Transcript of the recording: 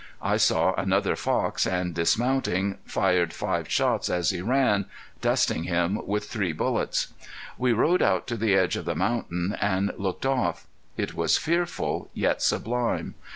I saw another fox, and dismounting, fired five shots as he ran, dusting him with three bullets. We rode out to the edge of the mountain and looked off. It was fearful, yet sublime.